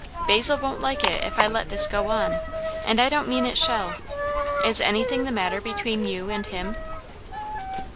"Basil won't like it if I let this go on; and I don't mean it shall. Is anything the matter between you and him?"